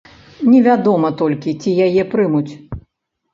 Невядома толькі ці яе прымуць.